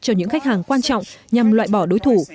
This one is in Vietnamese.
cho những khách hàng quan trọng nhằm loại bỏ đối thủ